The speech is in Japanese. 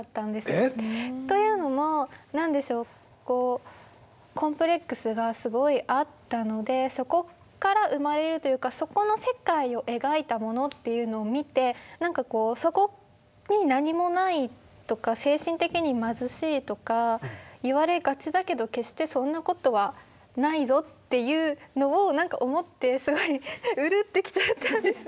ええっ⁉というのも何でしょうコンプレックスがすごいあったのでそこから生まれるというかそこの世界を描いたものというのを見て何かこうそこに何もないとか精神的に貧しいとか言われがちだけど決してそんな事はないぞというのを思ってすごいうるってきちゃったんですね。